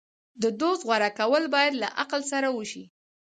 د دوست غوره کول باید له عقل سره وشي.